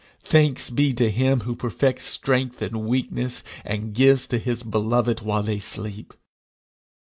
Thanks be to him who perfects strength in weakness, and gives to his beloved while they sleep!'